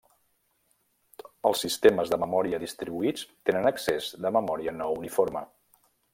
Els sistemes de memòria distribuïts tenen accés de memòria no uniforme.